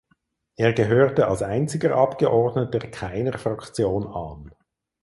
Er gehörte als einziger Abgeordneter keiner Fraktion an.